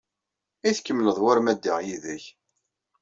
I tkemmleḍ war ma ddiɣ yid-k?